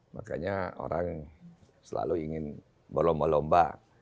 makanya orang selalu ingin berlomba lomba